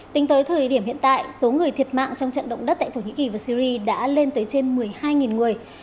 tính tới thời điểm hiện tại số người thiệt mạng trong trận động đất tại thổ nhĩ kỳ và syri đã lên tới trên một mươi hai người